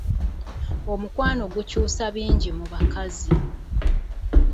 Omukwano gukyusa bingi mu bakazi.